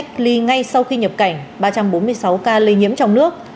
cách ly ngay sau khi nhập cảnh ba trăm bốn mươi sáu ca lây nhiễm trong nước